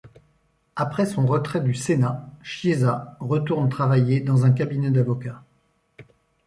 Après son retrait du Sénat, Chiesa retourne travailler dans un cabinet d'avocats.